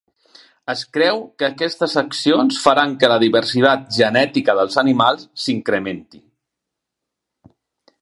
Es creu que aquestes accions faran que la diversitat genètica dels animals s'incrementi.